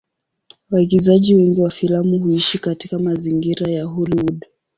Waigizaji wengi wa filamu huishi katika mazingira ya Hollywood.